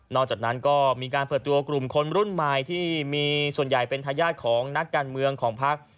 จากนั้นก็มีการเปิดตัวกลุ่มคนรุ่นใหม่ที่มีส่วนใหญ่เป็นทายาทของนักการเมืองของพัก